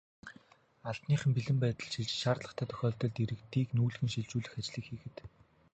Албаныхан бэлэн байдалд шилжиж, шаардлагатай тохиолдолд иргэдийг нүүлгэн шилжүүлэх ажлыг хийхэд бэлдлээ.